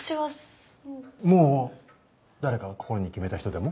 もう誰か心に決めた人でも？